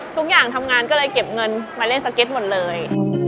ทุกอย่างทำงานก็เลยเก็บเงินมาเล่นสเก็ตหมดเลย